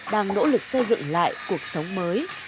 đang nỗ lực xây dựng lại cuộc sống mới